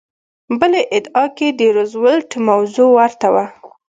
بلې ادعا کې د روزولټ موضوع ورته وه.